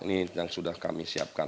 unit yang sudah kami siapkan